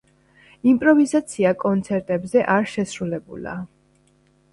იმპროვიზაცია კონცერტებზე არ შესრულებულა.